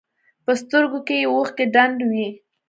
په سترګو کښې يې اوښکې ډنډ وې.